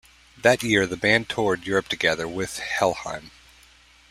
That year the band toured Europe together with Helheim.